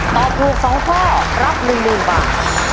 ตอบถูก๒ข้อรับ๑๐๐๐บาท